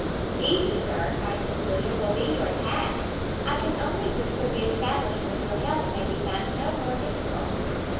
"Easy, Sir," cried Cecilia, "will be your task; I can only wish the re establishment of your health may be found no more difficult."